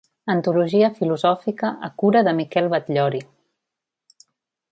Antologia filosòfica, a cura de Miquel Batllori.